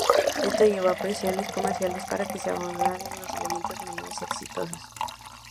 Esto llevó a presiones comerciales para que se abandonasen los elementos menos exitosos.